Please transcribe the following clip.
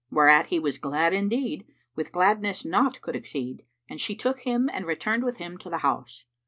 Whereat he was glad indeed, with gladness naught could exceed; and she took him and returned with him to the house.